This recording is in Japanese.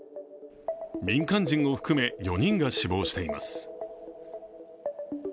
民間人を含め４人が死亡しています。